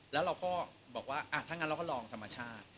แล้วเราก็บอกว่าถ้างั้นเราก็ลองธรรมชาติ